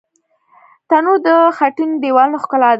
تنور د خټینو دیوالونو ښکلا ده